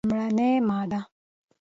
لومړې ماده: